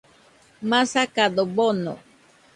Masakado bono